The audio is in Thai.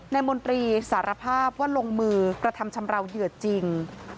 มนตรีสารภาพว่าลงมือกระทำชำราวเหยื่อจริง